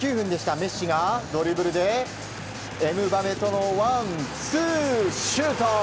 メッシがドリブルでエムバペとのワンツーシュート！